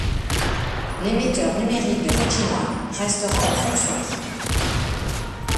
L'émetteur numérique de Regina restera en fonction.